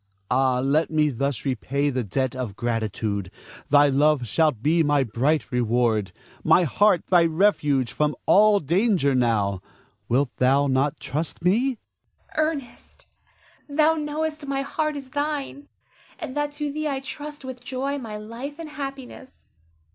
Ah, let me thus repay the debt of gratitude. Thy love shalt be my bright reward; my heart thy refuge from all danger now. Wilt thou not trust me? Zara. Ernest, thou knowest my heart is thine, and that to thee I trust with joy my life and happiness.